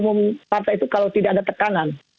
umum partai itu kalau tidak ada tekanan